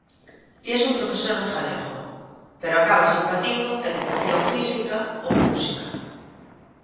Ti es un profesor de galego, pero acabas impartindo educación física ou música.